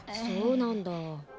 そうなんだ。